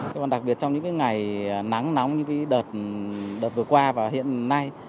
còn đặc biệt trong những ngày nắng nóng như đợt vừa qua và hiện nay